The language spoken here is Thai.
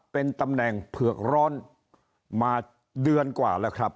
เป็นตำแหน่งเผือกร้อนมาเดือนกว่าแล้วครับ